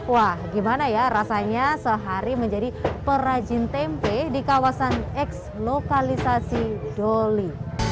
wah gimana ya rasanya sehari menjadi perajin tempe di kawasan eks lokalisasi doli